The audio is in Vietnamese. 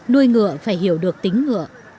nuôi ngựa phải hiểu được tính ngựa